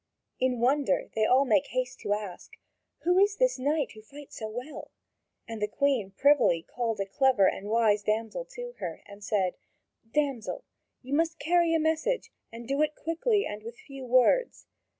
In wonder they all make haste to ask: "Who is this knight who fights so well?" And the Queen privily called a clever and wise damsel to her and said: "Damsel, you must carry a message, and do it quickly and with few words.